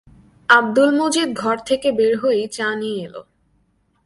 আব্দুল মজিদ ঘর থেকে বের হয়েই চা নিয়ে এল।